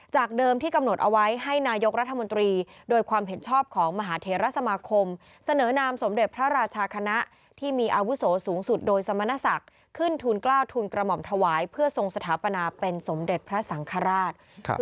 เดิมที่กำหนดเอาไว้ให้นายกรัฐมนตรีโดยความเห็นชอบของมหาเทรสมาคมเสนอนามสมเด็จพระราชาคณะที่มีอาวุโสสูงสุดโดยสมณศักดิ์ขึ้นทุนกล้าวทุนกระหม่อมถวายเพื่อทรงสถาปนาเป็นสมเด็จพระสังฆราช